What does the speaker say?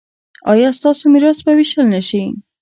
ایا ستاسو میراث به ویشل نه شي؟